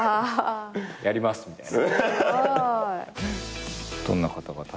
やりますみたいな。